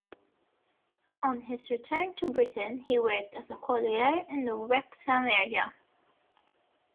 On his return to Britain he worked as a collier in the Wrexham area.